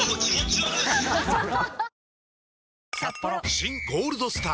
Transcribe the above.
「新ゴールドスター」！